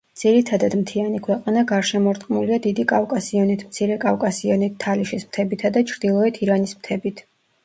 ძირითადად მთიანი ქვეყანა გარშემორტყმულია დიდი კავკასიონით, მცირე კავკასიონით, თალიშის მთებითა და ჩრდილოეთ ირანის მთებით.